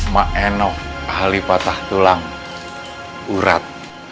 mak enof ahli patah tulang urat